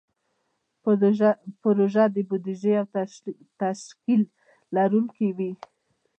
پروژه د بودیجې او تشکیل لرونکې وي.